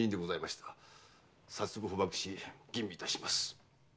早速捕縛し吟味いたします。